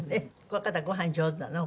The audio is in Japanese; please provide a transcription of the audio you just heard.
この方ご飯上手なの？